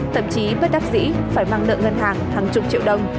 thậm chí bất đắc dĩ phải mang nợ ngân hàng hàng chục triệu đồng